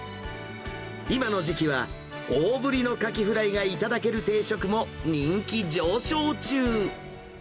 今の時期は、大ぶりのカキフライが頂ける定食も人気上昇中。